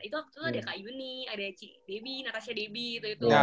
itu waktu ada kak yuni ada cik debbie natasha debbie gitu itu